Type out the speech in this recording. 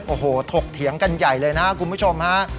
โอ้โหถกเถียงกันใหญ่เลยนะครับคุณผู้ชมฮะ